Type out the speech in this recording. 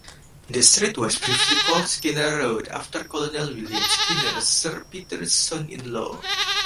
The street was briefly called Skinner Road after Colonel William Skinner, Sir Peter's son-in-law.